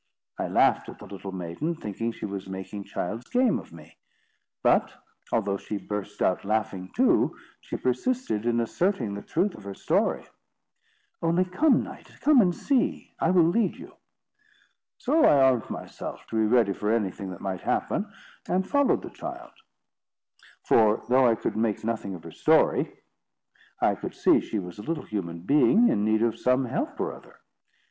I laughed at the little maiden, thinking she was making child's game of me; but, although she burst out laughing too, she persisted in asserting the truth of her story." "'Only come, knight, come and see; I will lead you.' "So I armed myself, to be ready for anything that might happen, and followed the child; for, though I could make nothing of her story, I could see she was a little human being in need of some help or other.